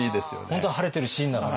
本当は晴れてるシーンなのに。